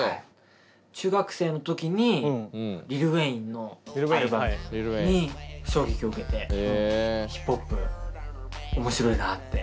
中学生の時にリル・ウェインのアルバムに衝撃を受けてヒップホップ面白いなって。